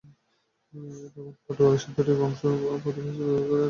তখন থেকে পাটোয়ারী শব্দটি বংশ পদবী হিসেবে ব্যবহার করে আসছে বাঙ্গালী মুসলিমরা।